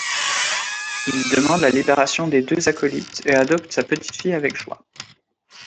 Il demande la libération des deux acolytes et adopte sa petite fille avec joie.